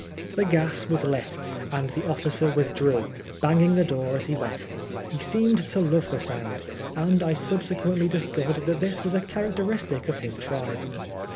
The gas was lit, and the officer withdrew, banging the door as he went. He seemed to love the sound, and I subsequently discovered that this was a charac teristic of his tribe.